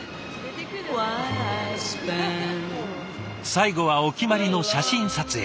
最後はお決まりの写真撮影。